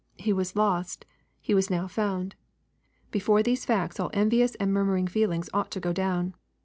He was lost : he was now found. Before these facts all envious and murmuring feelings ought to go down.